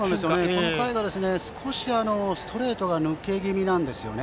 この回は少しストレートが抜け気味なんですね。